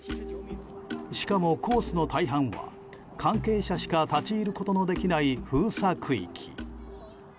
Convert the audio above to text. しかも、コースの大半は関係者しか立ち入ることのできない封鎖区域。